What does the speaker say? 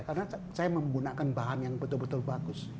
karena saya menggunakan bahan yang betul betul bagus